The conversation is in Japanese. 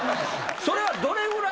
それは。